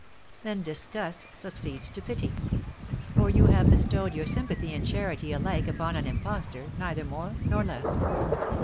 Then disgust succeeds to pity; for you have bestowed your sympathy and charity alike upon an impostor, neither more nor less.